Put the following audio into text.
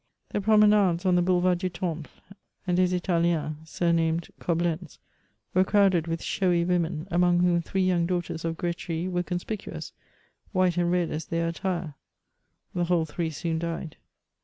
The promenades on the Boulevard du Temple and des Italiens, stumamed Coblentz, were crowded with showy women, among whom three young daughters of Gretry were conspicuous, white and red as their attire ; the whole three soon died.